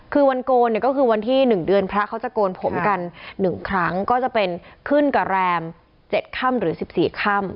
คือวันโกนเนี่ยก็คือวันที่๑เดือนพระเขาจะโกนผมกัน๑ครั้งก็จะเป็นขึ้นกับแรม๗ค่ำหรือ๑๔ค่ำ